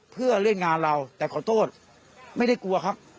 เพื่อเล่นงานเราแต่ขอโทษไม่ได้กลัวครับ